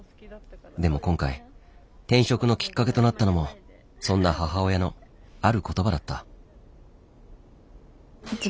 でも今回転職のきっかけとなったのもそんな母親のある言葉だった。